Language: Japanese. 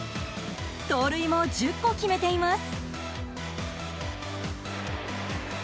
盗塁も１０個決めています。